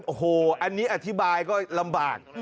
โอ้โหอันนี้อธิบายก็ลำบาก